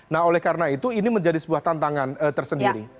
nah oleh karena itu ini menjadi sebuah tantangan tersendiri